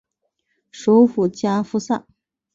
首府加夫萨。